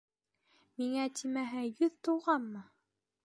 Миңә тимәһә йөҙ тулмағанмы?